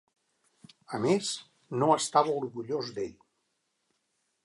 A més, no estava orgullós d'ell.